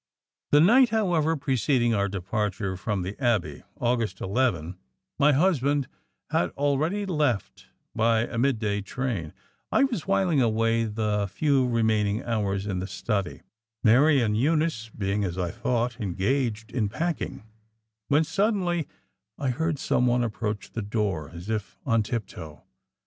The night, however, preceding our departure from the Abbey (August 11) my husband had already left by a mid day train, I was whiling away the few remaining hours in the study Mary and Eunice being as I thought, engaged in packing when suddenly I heard some one approach the door as if on tiptoe.